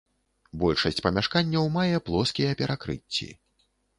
Большасць памяшканняў мае плоскія перакрыцці.